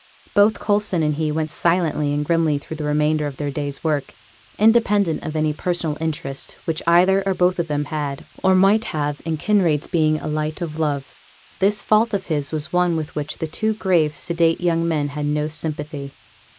Both Coulson and he went silently and grimly through the remainder of their day's work. Independent of any personal interest which either or both of them had or might have in Kinraid's being a light o' love, this fault of his was one with which the two grave, sedate young men had no sympathy.